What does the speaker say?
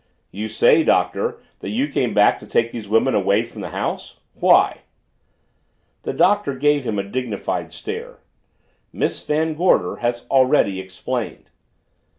"You say, Doctor, that you came back to take these women away from the house. Why?" The Doctor gave him a dignified stare. "Miss Van Gorder has already explained."